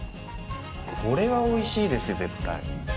これはおいしいですよ絶対。